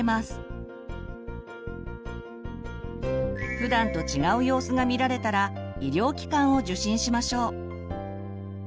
普段と違う様子が見られたら医療機関を受診しましょう。